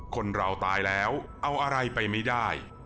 คนเราตายแล้วเอาอะไรไปไม่ได้